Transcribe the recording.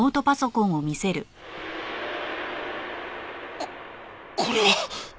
ここれは！？